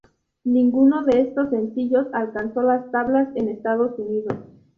Ninguno de estos sencillos alcanzó las tablas en Estados Unidos.